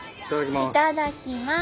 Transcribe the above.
いただきます。